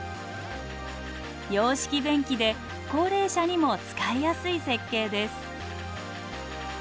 洋式便器で高齢者にも使いやすい設計です。